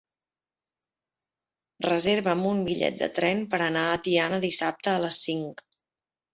Reserva'm un bitllet de tren per anar a Tiana dissabte a les cinc.